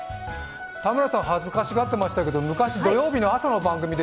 田村さん、恥ずかしがってましたけど昔、土曜日の朝の番組で